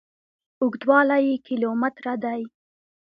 اوږدوالي یې کیلو متره دي.